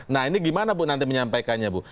nah ini gimana bu nanti menyampaikannya bu